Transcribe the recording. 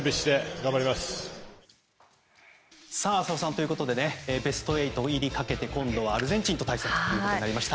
ということでベスト８入りをかけて今度はアルゼンチンと対戦ということになりました。